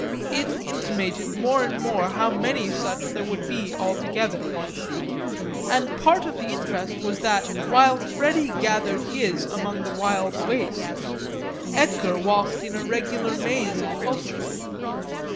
It intimated more and more how many such there would be altogether. And part of the interest was that while Freddy gathered his among the wild wastes Edgar walked in a regular maze of culture.